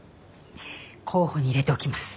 候補に入れておきます。